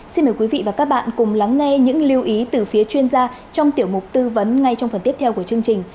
xin mời quý vị và các bạn cùng lắng nghe những lưu ý từ phía chuyên gia trong tiểu mục tư vấn ngay trong phần tiếp theo của chương trình